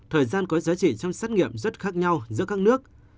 thời gian có giá trị trong xét nghiệm rất khác nhau giữa các nước